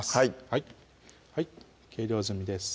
はいはい計量済みです